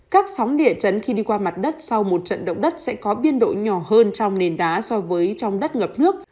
các sóng địa chấn khi đi qua mặt đất sau một trận động đất sẽ có biên độ nhỏ hơn trong nền đá so với trong đất ngập nước